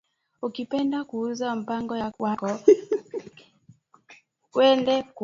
Uki penda ku uza pango yako wende ku ofisi ya cadastre